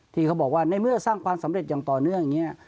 ที่เขาบอกว่าในเมื่อสร้างความสำเร็จอย่างต่อเนื่องอย่างนี้